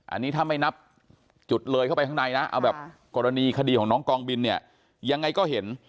อันนี้ถ้าไม่นับจุดเลยเข้าไปข้างในนะเอาแบบกรณีคดีของน้องกองบินเนี่ยยังไงก็เห็น